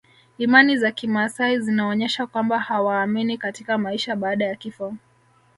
Imani za kimaasai zinaonyesha kwamba hawaamini katika maisha baada ya kifo